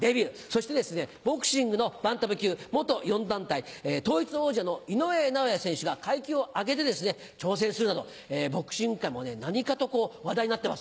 そしてボクシングのバンタム級元４団体統一王者の井上尚弥選手が階級を上げて挑戦するなどボクシング界も何かと話題になってます。